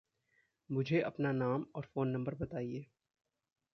मुझे अपना नाम और फ़ोन नम्बर बताईये।